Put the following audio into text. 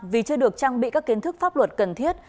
vì chưa được trang bị các kiến thức pháp luật cần thiết